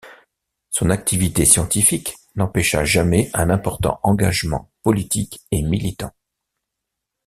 Son activité scientifique n'empêcha jamais un important engagement politique et militant.